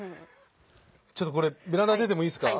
ちょっとこれベランダに出てもいいですか？